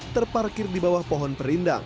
terparkir di bawah pohon perindang